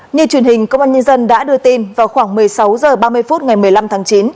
như truyền hình công an nhân dân đã đưa tin vào khoảng một mươi sáu h ba mươi phút ngày một mươi năm tháng chín